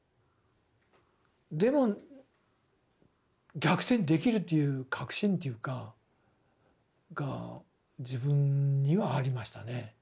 でも逆転できるっていう確信っていうか。が自分にはありましたね。